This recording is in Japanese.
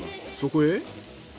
そこへ。